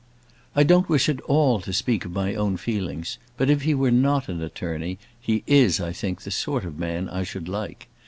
I don't wish at all to speak of my own feelings; but if he were not an attorney, he is, I think, the sort of man I should like.